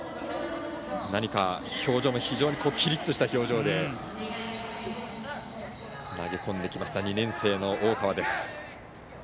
何か、表情も非常にキリッとした表情で投げ込んできました２年生の大川。